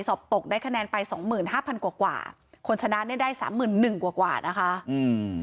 สอบตกได้คะแนนไป๒๕๐๐๐กว่าคนชนะเนี่ยได้๓๑๐๐๐กว่านะคะอืม